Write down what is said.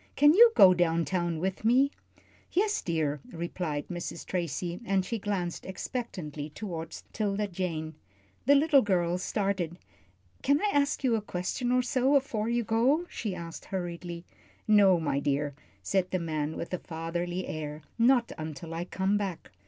Can you go down town with me?" "Yes, dear," replied Mrs. Tracy, and she glanced expectantly toward 'Tilda Jane. The little girl started. "Can I ask you a question or so afore you go?" she asked, hurriedly. "No, my dear," said the man, with a fatherly air. "Not until I come back."